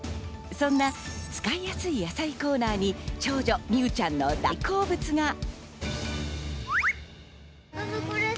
そんな使いやすい野菜コーナーに長女・美羽ちゃんの大好物が。